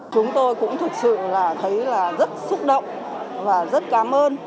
chúng tôi cũng thực sự là thấy là rất xúc động và rất cảm ơn